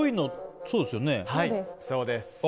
そうです。